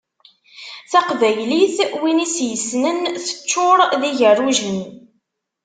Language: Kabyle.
Taqbaylit, win i s-yessnen, teččur d igerrujen.